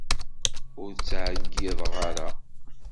Ur ttεeggideɣ ara.